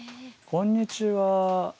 こんにちは！